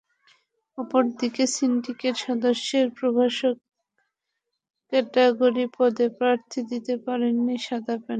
অপর দিকে সিন্ডিকেট সদস্যের প্রভাষক ক্যাটাগরি পদে প্রার্থী দিতে পারেনি সাদা প্যানেল।